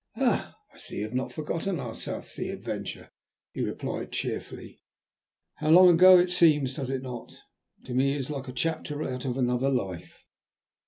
"Ah! I see you have not forgotten our South Sea adventure," he replied cheerfully. "How long ago it seems, does it not? To me it is like a chapter out of another life."